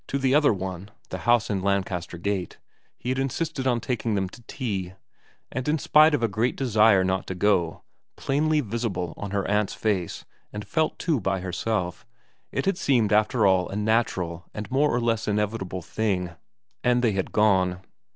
To the other one, the house in Lancaster Gate, he had insisted on taking them to tea, and in spite 124 VERA xi of a great desire not to go, plainly visible on her aunt's face and felt too by herself, it had seemed after all a natural and more or less inevitable thing, and they had gone.